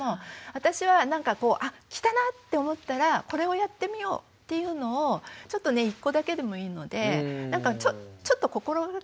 私は「あ来たな」って思ったらこれをやってみようっていうのをちょっとね１個だけでもいいのでなんかちょっと心がけておくと。